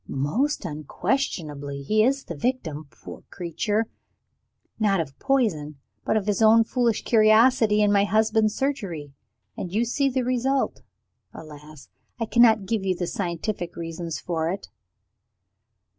"Most unquestionably! He is the victim, poor creature not of poison but of his own foolish curiosity, in my husband's surgery, and you see the result. Alas! I cannot give you the scientific reasons for it."